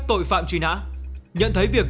tội phạm truy nã nhận thấy việc